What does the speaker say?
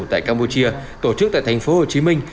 tại campuchia tổ chức tại thành phố hồ chí minh